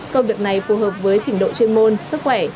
công việc này phù hợp với trình độ chuyên môn sức khỏe